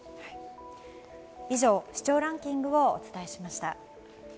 以上、視聴ランキングをお伝えしました。